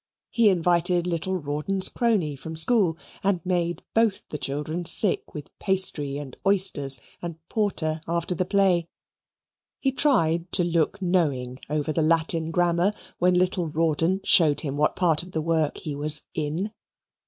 He invited little Rawdon's crony from school, and made both the children sick with pastry, and oysters, and porter after the play. He tried to look knowing over the Latin grammar when little Rawdon showed him what part of that work he was "in."